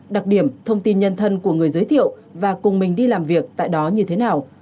đặc điểm thông tin nhân thân của người giới thiệu và cùng mình đi làm việc tại đó như thế nào